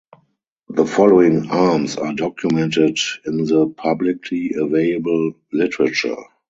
The following arms are documented in the publicly available literature.